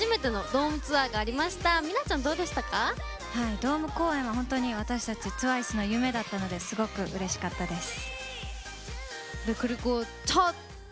ドーム公演は本当に私たちＴＷＩＣＥの夢だったのですごくうれしかったです。